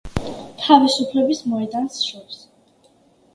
თავისუფლების მოედანს შორის.